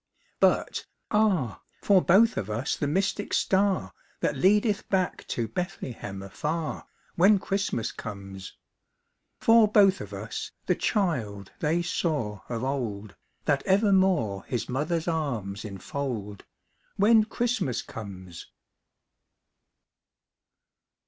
But ah, for both of us the mystic star That leadeth back to Bethlehem afar, When Christmas comes. For both of us the child they saw of old, That evermore his mother's arms enfold, When Christmas comes.